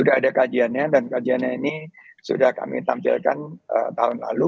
jadi kita harus mencari jelasin dari kajiannya dan kajiannya ini sudah kami tampilkan tahun lalu